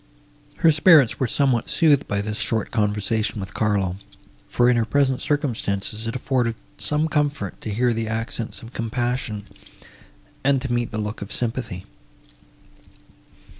Her spirits were somewhat soothed by this short conversation with Carlo; for, in her present circumstances, it afforded some comfort to hear the accents of compassion, and to meet the look of sympathy.